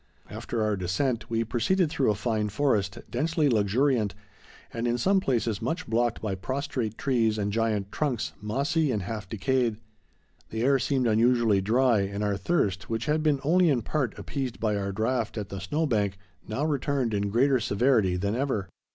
After our descent we proceeded through a fine forest, densely luxuriant, and in some places much blocked by prostrate trees and giant trunks, mossy and half decayed. The air seemed unusually dry, and our thirst, which had been only in part appeased by our draught at the snow bank, now returned in greater severity than ever.